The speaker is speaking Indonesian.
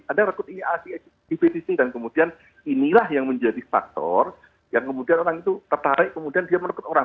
ada rekrut ev di sini dan kemudian inilah yang menjadi faktor yang kemudian orang itu tertarik kemudian dia merekrut orang